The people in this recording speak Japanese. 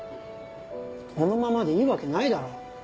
このままでいいわけないだろ。